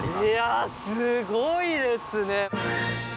いやすごいですね。